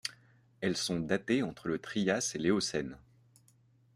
Elles sont datées entre le Trias et l'Éocène.